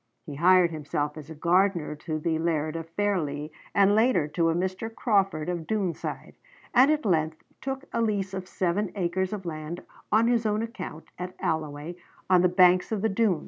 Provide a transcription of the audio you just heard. He hired himself as a gardener to the laird of Fairlie, and later to a Mr. Crawford of Doonside, and at length took a lease of seven acres of land on his own account at Alloway on the banks of the Doon.